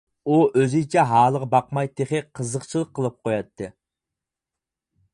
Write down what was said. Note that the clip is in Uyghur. ئۇ ئۆزىچە ھالىغا باقماي تېخى قىزىقچىلىق قىلىپ قوياتتى.